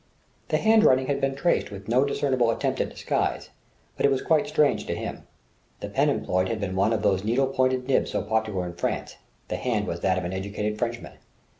The handwriting had been traced with no discernible attempt at disguise, but was quite strange to him. The pen employed had been one of those needle pointed nibs so popular in France; the hand was that of an educated Frenchman.